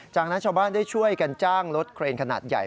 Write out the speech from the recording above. จากนั้นชาวบ้านได้ช่วยกันจ้างรถเครนขนาดใหญ่